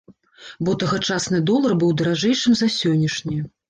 Бо тагачасны долар быў даражэйшым за сённяшні.